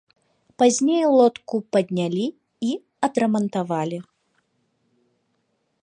Пазней лодку паднялі і адрамантавалі.